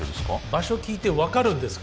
場所聞いて分かるんですか？